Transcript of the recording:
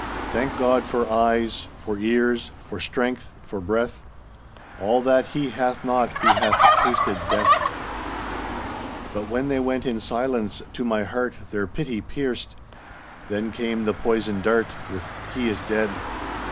"Thank God for eyes, for ears, for strength, for breath, All that he hath not who hath tasted death." But when they went in silence, to my heart Their pity pierced. Then came the poisoned dart, With "He is dead."